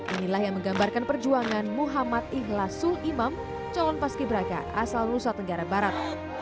inilah yang menggambarkan perjuangan muhammad ikhlasul imam calon paski braka asal nusa tenggara barat